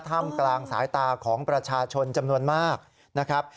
ถ้ำกลางสายตาของประชาชนจำนวนมากนะครับ